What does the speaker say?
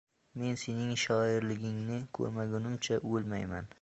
— Men sening shoirligingni ko‘rmagunimcha o‘lmayman.